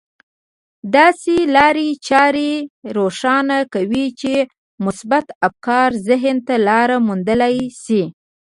داسې لارې چارې روښانه کوي چې مثبت افکار ذهن ته لاره موندلای شي.